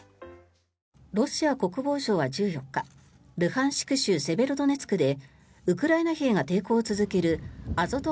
ロシア国防省は１４日ルハンシク州セベロドネツクでウクライナ兵が抵抗を続けるアゾト